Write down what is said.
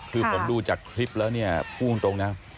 คือผมดูจากคลิปแล้วเนี่ยพูดตรงนะ